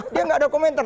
dia enggak ada komentar